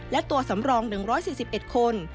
และตัวสำรอง๑๔๑คน